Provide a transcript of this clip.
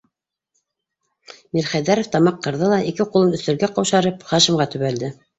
- Мирхәйҙәров тамаҡ ҡырҙы ла ике ҡулын өҫтәлгә ҡаушырып, Хашимға төбәлде.